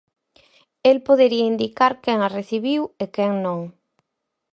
El podería indicar quen as recibiu e quen non.